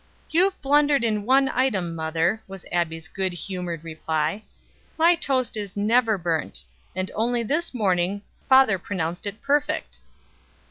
"You've blundered in one item, mother," was Abbie's good humored reply. "My toast is never burnt, and only this morning father pronounced it perfect."